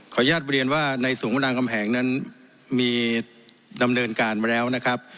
อนุญาตเรียนว่าในศูนย์พระรามคำแหงนั้นมีดำเนินการมาแล้วนะครับ